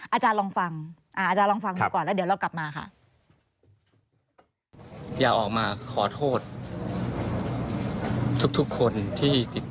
อาจารย์ลองฟัง